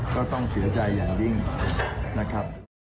ก็ต้องเสียใจอย่างยิ่งนะครับ